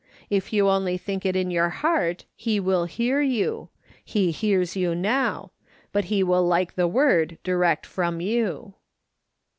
If you only think it in your heart he will hear you; he hears you now ; but iie will like the word direct from you."